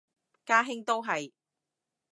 家兄都係